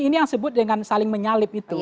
ini yang disebut dengan saling menyalip itu